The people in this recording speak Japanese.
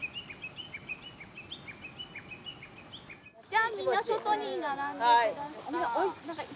じゃあみんな外に並んでください。